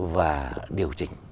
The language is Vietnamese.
và điều chỉnh